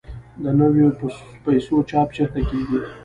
د نویو پیسو چاپ چیرته کیږي؟